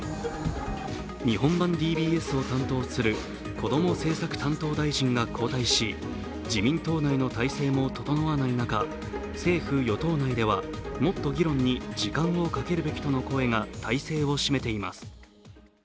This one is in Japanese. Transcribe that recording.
日本版ＤＢＳを担当するこども政策担当大臣が交代し自民党内の体制も整わない中、政府・与党内ではもっと議論に時間をかけるべきとの声が大勢を占めています。